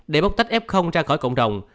để bóc tách f ra khỏi cộng đồng